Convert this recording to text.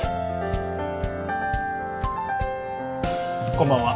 こんばんは。